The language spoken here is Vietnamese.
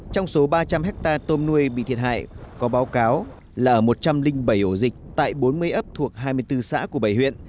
trong số ba trăm linh hectare tôm nuôi bị thiệt hại có báo cáo là ở một trăm linh bảy ổ dịch tại bốn mươi ấp thuộc hai mươi bốn xã của bảy huyện